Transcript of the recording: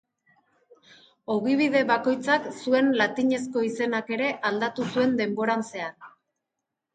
Ogibide bakoitzak zuen latinezko izenak ere aldatu zuen denboran zehar.